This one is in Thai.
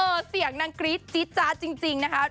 เสียงนางกรี๊ดจี๊ดจ๊ะจริงนะคะ